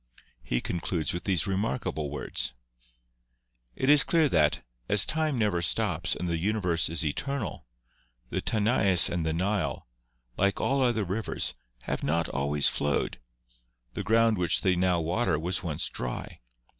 He concludes with these remarkable words: "It is clear that, as time never stops and the uni verse is eternal, the Tanais and the Nile, like all other rivers, have not always flowed; the ground which they now water was once dry.